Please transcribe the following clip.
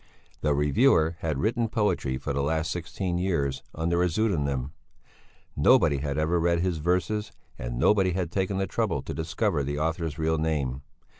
The reviewer had written poetry for the last sixteen years under a pseudonym. Nobody had ever read his verses and nobody had taken the trouble to discover the author's real name.